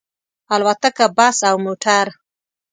الوتکه، بس او موټر